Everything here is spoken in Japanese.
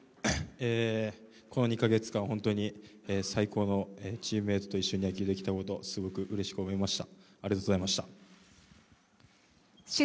この２か月間、本当に最高のチームメイトと一緒に野球できたことすごくうれしく思いました。